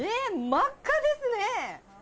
真っ赤ですね。